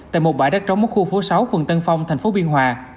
tại một bãi đất trong mốc khu phố sáu phường tân phong thành phố biên hòa